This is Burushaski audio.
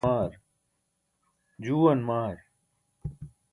juuwan maar